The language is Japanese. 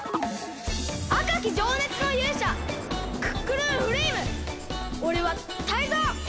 あかきじょうねつのゆうしゃクックルンフレイムおれはタイゾウ！